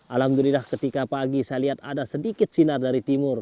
alhamdulillah ketika pagi saya lihat ada sedikit sinar dari timur